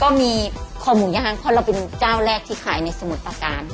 ก็มีคอหมูย่างเพราะเราเป็นเจ้าแรกที่ขายในสมุทรประการ